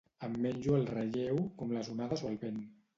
Em menjo el relleu com les onades o el vent.